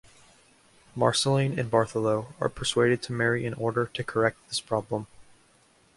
Marceline and Bartholo are persuaded to marry in order to correct this problem.